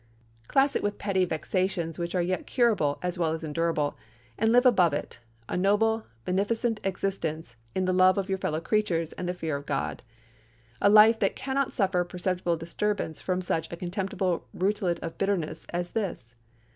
Class it with petty vexations which are yet curable as well as endurable, and live above it—a noble, beneficent existence in the love of your fellow creatures and the fear of GOD—a life that can not suffer perceptible disturbance from such a contemptible rootlet of bitterness as this.